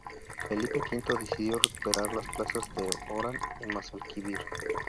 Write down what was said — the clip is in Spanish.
Felipe V decidió recuperar las plazas de Oran y Mazalquivir.